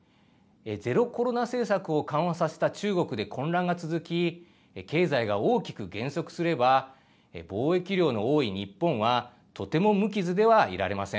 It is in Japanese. ゼロコロナ政策を緩和させた中国で混乱が続き、経済が大きく減速すれば、貿易量の多い日本は、とても無傷ではいられません。